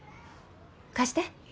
貸して。